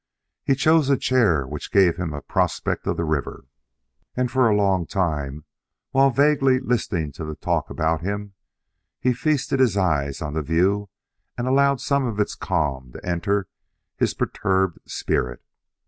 He chose a chair which gave him a prospect of the river, and for a long time, while vaguely listening to the talk about him, he feasted his eyes on the view and allowed some of its calm to enter his perturbed spirit.